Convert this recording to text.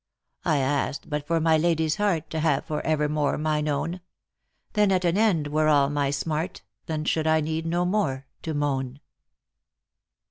I ask'd but for my lady's heart, To have for evermore mine own ; Then at an end were all my smart ; Then should I need no more to moan."